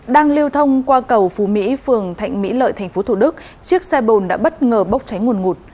đang lưu thông qua cầu phú mỹ phường thạnh mỹ lợi tp thủ đức chiếc xe bồn đã bất ngờ bốc cháy nguồn ngụt